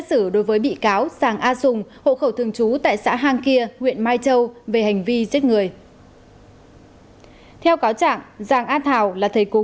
xin chào và hẹn gặp lại